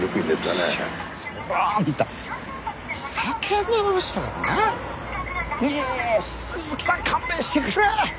「もう鈴木さん勘弁してくれ！」